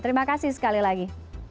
terima kasih sekali lagi